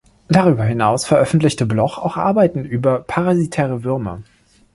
Darüber hinaus veröffentlichte Bloch auch Arbeiten über parasitäre Würmer.